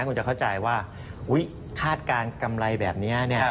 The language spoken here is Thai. คุณจะเข้าใจว่าคาดการณ์กำไรแบบนี้